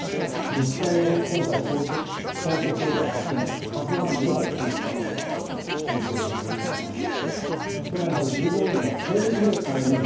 実際に今回、消息を絶った船、「ＫＡＺＵⅠ」にも乗ったことがあるという経験豊富な方です。